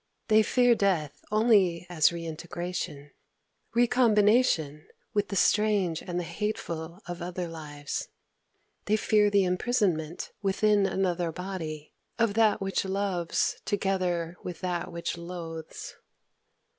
They fear death only as reintegration, recombination with the strange and the hateful of other lives: they fear the imprisonment, within another body, of that which loves together with that which loathes...."